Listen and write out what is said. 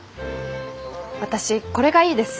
私これがいいです。